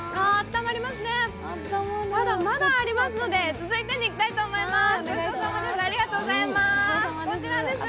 ただ、まだありますので、続いてに行きたいと思います。